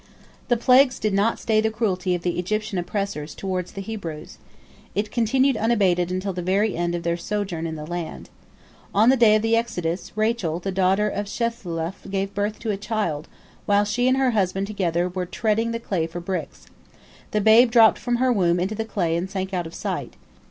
The plagues did not stay the cruelty of the Egyptian oppressors toward the Hebrews. It continued unabated until the very end of their sojourn in the land. On the day of the exodus, Rachel the daughter of Shuthelah gave birth to a child, while she and her husband together were treading the clay for bricks. The babe dropped from her womb into the clay and sank out of sight.